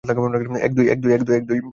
এক, দুই।